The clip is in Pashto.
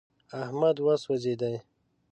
احمد وسورېدی.